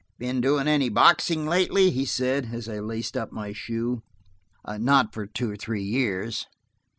"Been doing any boxing lately," he said, as I laced up my shoe. "Not for two or three years."